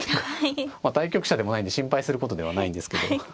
まあ対局者でもないんで心配することではないんですけど。